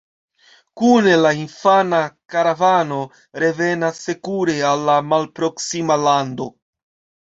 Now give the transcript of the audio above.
Kune la infana karavano revenas sekure al la malproksima lando.